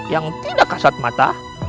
yang tidak kasat mata